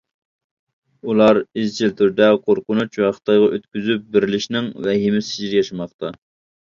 ئۇلار ئىزچىل تۈردە قورقۇنچ ۋە خىتايغا ئۆتكۈزۈپ بېرىلىشنىڭ ۋەھىمىسى ئىچىدە ياشىماقتا.